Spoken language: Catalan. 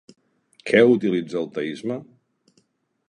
Què utilitza el teisme?